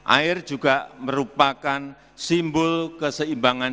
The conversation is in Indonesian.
air juga merupakan simbol keseimbangan